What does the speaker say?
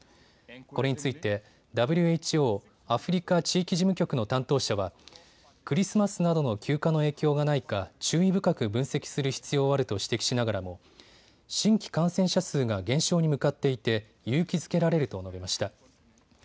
これについてＷＨＯアフリカ地域事務局の担当者はクリスマスなどの休暇の影響がないか注意深く分析する必要はあると指摘しながらも新規感染者数が減少に向かっていて勇気づけられると述べました。